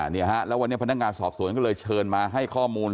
นี่ฮะแล้ววันนี้พนักงานสอบสวนก็เลยเชิญมาให้ข้อมูล